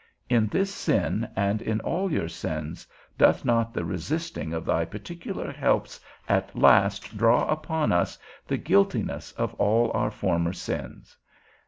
In this sin, and in all your sins, doth not the resisting of thy particular helps at last draw upon us the guiltiness of all our former sins?